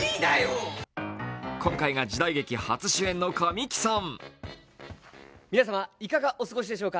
今回が時代劇初主演の神木さん。